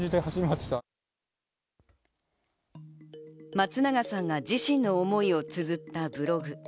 松永さんが自身の思いを綴ったブログ。